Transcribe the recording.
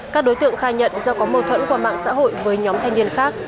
các đối tượng khai nhận do có mâu thuẫn qua mạng xã hội với nhóm thanh niên khác